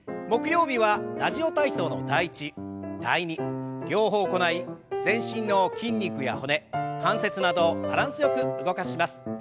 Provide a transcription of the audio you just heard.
木曜日は「ラジオ体操」の「第１」「第２」両方行い全身の筋肉や骨関節などをバランスよく動かします。